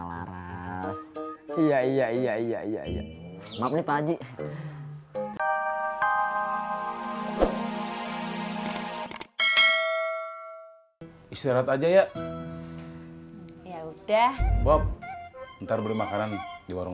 laras iya iya iya iya iya maaf nih pagi istirahat aja ya udah bob ntar beli makanan di warung